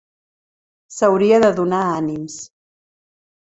S'hauria de donar ànims.